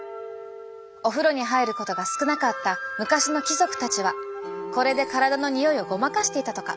お風呂に入ることが少なかった昔の貴族たちはこれで体のにおいをごまかしていたとか。